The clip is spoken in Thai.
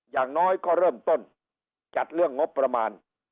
อย่างน้อยก็เริ่มต้นจัดเรื่องงบประมาณ